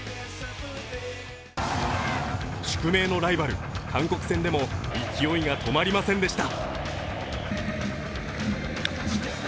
宿命のライバル・韓国戦でも勢いが止まりませんでした。